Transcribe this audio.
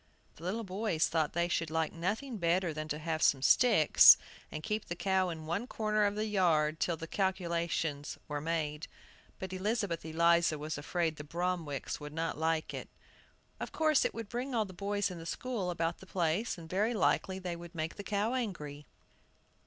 The little boys thought they should like nothing better than to have some sticks, and keep the cow in one corner of the yard till the calculations were made. But Elizabeth Eliza was afraid the Bromwicks would not like it. "Of course, it would bring all the boys in the school about the place, and very likely they would make the cow angry."